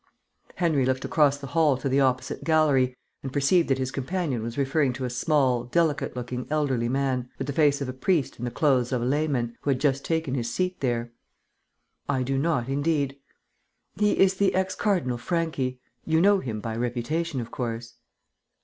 Henry looked across the hall to the opposite gallery, and perceived that his companion was referring to a small, delicate looking elderly man, with the face of a priest and the clothes of a layman, who had just taken his seat there. "I do not indeed." "He is the ex cardinal Franchi. You know him by reputation, of course."